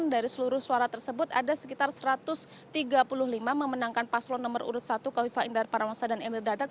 dari seluruh suara tersebut ada sekitar satu ratus tiga puluh lima memenangkan paslon nomor urut satu kofifa indar parawangsa dan emil dardak